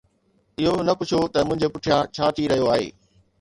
اهو نه پڇو ته منهنجي پٺيان ڇا ٿي رهيو آهي